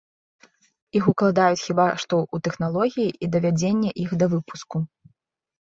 Іх укладаюць хіба што ў тэхналогіі і давядзенне іх да выпуску.